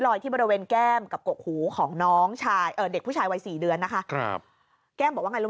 ที่บริเวณแก้มกับกกหูของน้องชายเอ่อเด็กผู้ชายวัยสี่เดือนนะคะครับแก้มบอกว่าไงรู้